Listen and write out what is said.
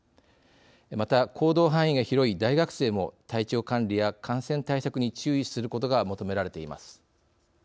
また、行動範囲が広い大学生も体調管理や感染対策に注意することが求められています。